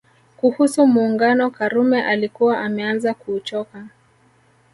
Kuhusu Muungano Karume alikuwa ameanza kuuchoka